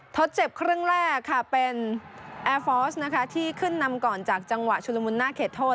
ทดเจ็บครึ่งแรกค่ะเป็นแอร์ฟอร์สนะคะที่ขึ้นนำก่อนจากจังหวะชุลมุนหน้าเขตโทษ